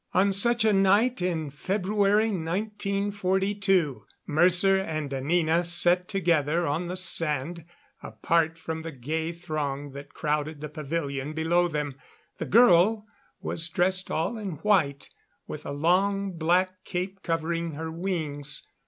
On such a night in February, 1942, Mercer and Anina sat together on the sand, apart from the gay throng that crowded the pavilion below them. The girl was dressed all in white, with a long black cape covering her wings.